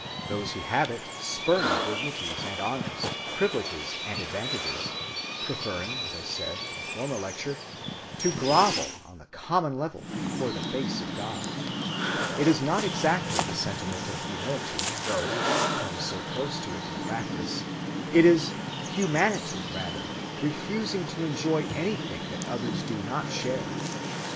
Those who have it spurn dignities and honors, privileges and advantages, preferring, as I said in a former lecture, to grovel on the common level before the face of God. It is not exactly the sentiment of humility, though it comes so close to it in practice. It is humanity, rather, refusing to enjoy anything that others do not share.